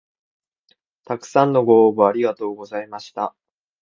たくさんのご応募ありがとうございました